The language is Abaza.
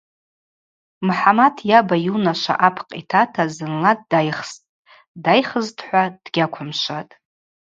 Мхӏамат йаба йунашва апкъ йтата зынла дайхстӏ, дайхсызтӏхӏва дгьаквымшватӏ.